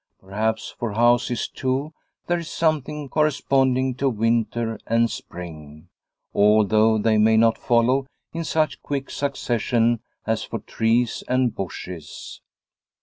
Perhaps for houses too there is something corresponding to winter 252 Liliecrona's Home and spring, although they may not follow in such quick succession as for trees and bushes.